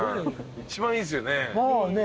一番いいっすよね。